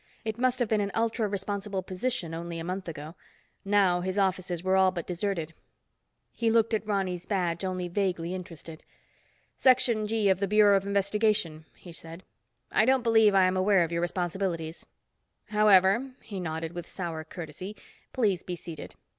It must have been an ultra responsible position only a month ago. Now his offices were all but deserted. He looked at Ronny's badge, only vaguely interested. "Section G of the Bureau of Investigation," he said. "I don't believe I am aware of your responsibilities. However," he nodded with sour courtesy, "please be seated.